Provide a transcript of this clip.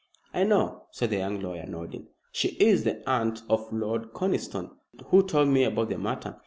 "I know," said the young lawyer, nodding. "She is the aunt of Lord Conniston, who told me about the matter."